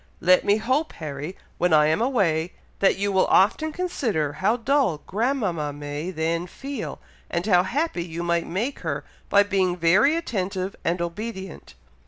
Let me hope, Harry, when I am away, that you will often consider how dull grandmama may then feel, and how happy you might make her by being very attentive and obedient."